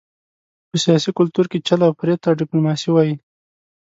په سیاسي کلتور کې چل او فرېب ته ډیپلوماسي وايي.